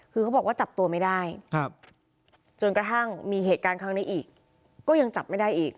คือเขาบอกว่าจับตัวไม่ได้จนกระทั่งมีเหตุการณ์ครั้งนี้อีกก็ยังจับไม่ได้อีก